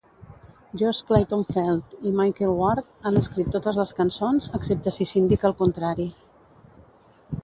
Josh Clayton-Felt i Michael Ward han escrit totes les cançons, excepte si s'indica el contrari.